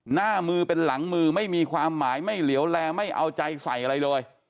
หน้ามือเป็นหลังมือไม่มีความหมายไม่เหลวแลไม่เอาใจใส่อะไรเลย